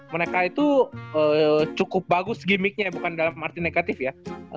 mereka itu cukup bagus gimmicknya bukan dalam arti negatif ya